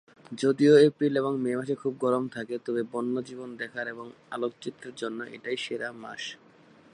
যদিও এপ্রিল এবং মে মাসে খুব গরম থাকে, তবে বন্যজীবন দেখার এবং আলোকচিত্রের জন্য এটাই সেরা মাস।